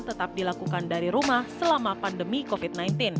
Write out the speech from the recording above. tetap dilakukan dari rumah selama pandemi covid sembilan belas